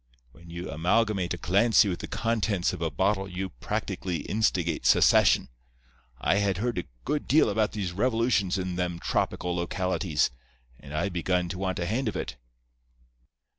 When you amalgamate a Clancy with the contents of a bottle you practically instigate secession. I had heard a good deal about these revolutions in them tropical localities, and I begun to want a hand in it.